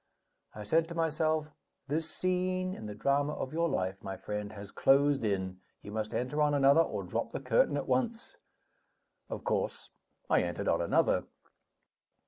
I said to myself: "This scene in the drama of your life, my friend, has closed in; you must enter on another, or drop the curtain at once." Of course I entered on another.